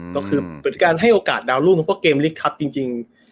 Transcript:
ก็คือเป็นการให้โอกาสดาวน์รุ่งเพราะว่าเกมลิคคับจริง